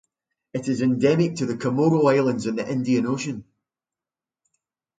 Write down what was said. It is endemic to the Comoro Islands in the Indian Ocean.